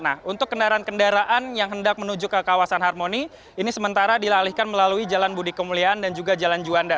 nah untuk kendaraan kendaraan yang hendak menuju ke kawasan harmoni ini sementara dialihkan melalui jalan budi kemuliaan dan juga jalan juanda